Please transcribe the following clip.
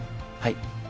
はい。